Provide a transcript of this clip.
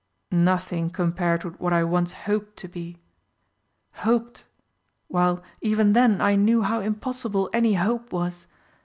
"Nothing compared with what I once hoped to be! Hoped while, even then, I knew how impossible any hope was.